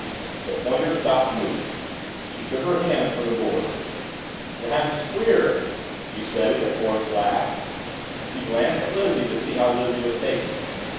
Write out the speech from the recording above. The pointer stopped moving: She took her hands from the board. "That's queer," she said with a forced laugh. She glanced at Lizzie to see how Lizzie was taking it.